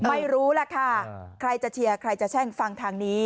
ไม่รู้ล่ะค่ะใครจะเชียร์ใครจะแช่งฟังทางนี้